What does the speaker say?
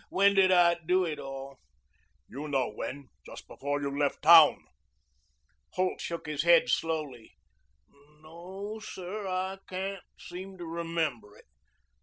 When did I do it all?" "You know when. Just before you left town." Holt shook his head slowly. "No, sir. I can't seem to remember it.